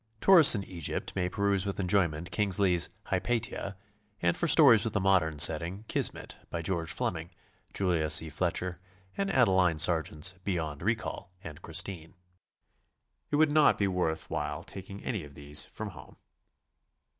Tourists in Egypt may peruse with enjoyment Kingsley's "Hypatia," and for stories with a modern setting "Kismet," by Geo^e Fleming (Julia C. Fletcher), and Adeline Sergeant's "Beyond Recall" and "Christine." It would not be worth while taking any of these from home.